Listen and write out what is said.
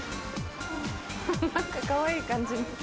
何かかわいい感じの。